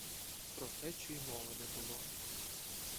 Про втечу й мови не було.